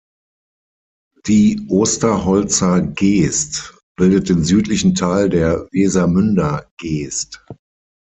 Die Osterholzer Geest bildet den südlichen Teil der Wesermünder Geest.